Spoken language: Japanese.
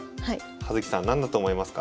葉月さん何だと思いますか？